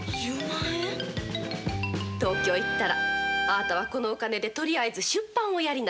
東京へ行ったらあなたはこのお金でとりあえず出版をやりなさい。